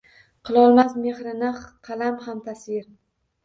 Qilolmas mexringni qalam xam tasvir